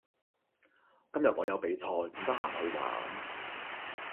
今日我有比賽，唔得閒去玩